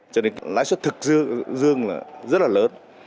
cho nên lãi suất thực sự dương là rất là lớn